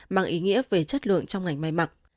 mang ý nghĩa về chất lượng trong ngành may mặc